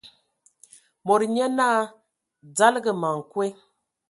Mod nyé naa: "Dzalǝga ma nkwe !".